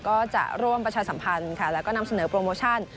ก็จะร่วมประชาสัมพันธ์ค่ะแล้วก็นำเสนอโปรโมชั่น